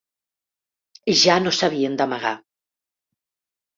Ja no s’havien d’amagar.